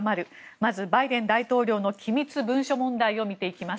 まず、バイデン大統領の機密文書問題を見ていきます。